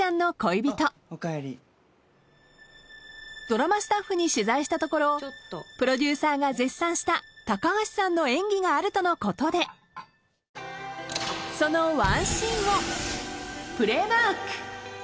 ［ドラマスタッフに取材したところプロデューサーが絶賛した橋さんの演技があるとのことでそのワンシーンを］